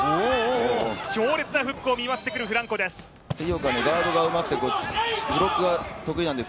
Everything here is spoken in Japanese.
強烈なフックを見舞ってくるフランコです。